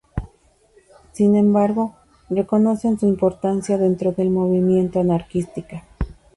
Sin embargo, reconocen su importancia dentro del movimiento anarquista.